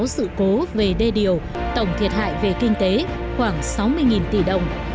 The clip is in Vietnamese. bốn trăm hai mươi sáu sự cố về đê điều tổng thiệt hại về kinh tế khoảng sáu mươi tỷ đồng